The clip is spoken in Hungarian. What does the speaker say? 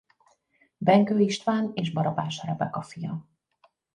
Benkő István és Barabás Rebeka fia.